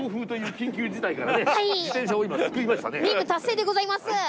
任務達成でございます。